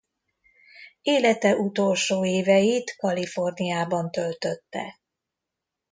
Élete utolsó éveit Kaliforniában töltötte.